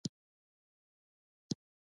• ته د دعا هر وخت له زړه نه راووځې.